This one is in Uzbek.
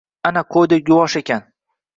Ana qo`ydek yuvosh ekan